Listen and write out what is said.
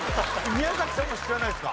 宮崎さんも知らないですか？